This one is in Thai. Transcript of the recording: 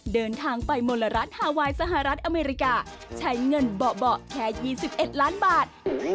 เดินทางไปมลรัฐฮาไวน์สหรัฐอเมริกาใช้เงินเบาะแค่๒๑ล้านบาท